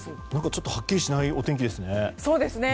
ちょっとはっきりしないお天気ですね。